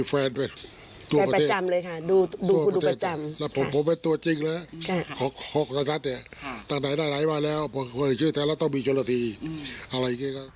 แค่ประจำเลยค่ะดูครูประจำ